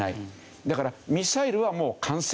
だからミサイルはもう完成させた。